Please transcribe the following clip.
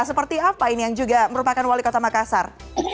seperti apa ini yang juga merupakan wali kota makassar